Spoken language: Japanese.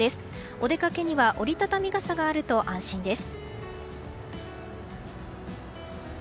お出かけには折り畳み傘があると安心です。